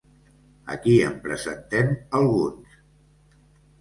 Aquí en presentem alguns.